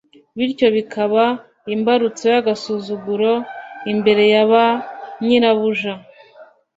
bityo bikaba imbarutso y’agasuzuguro imbere ya ba nyirabuja